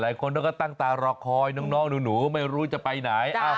หลายคนก็ตั้งตารอคอยน้องหนูไม่รู้จะไปไหน